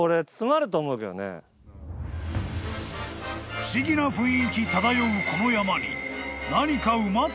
［不思議な雰囲気漂うこの］